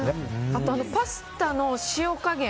あとパスタの塩加減。